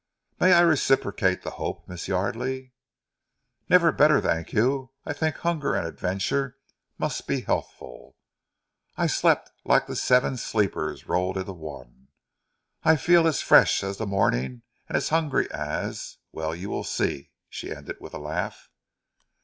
"May I reciprocate the hope, Miss Yardely?" "Never better, thank you. I think hunger and adventure must be healthful. I slept like the Seven Sleepers rolled into one; I feel as fresh as the morning, and as hungry as well, you will see," she ended with a laugh.